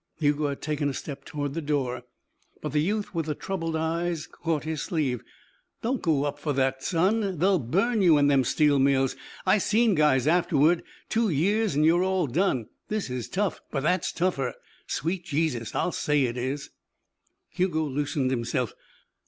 Hugo had taken a step toward the door, but the youth with the troubled eyes caught his sleeve. "Don't go up for that, son. They burn you in them steel mills. I seen guys afterward. Two years an' you're all done. This is tough, but that's tougher. Sweet Jesus, I'll say it is." Hugo loosened himself.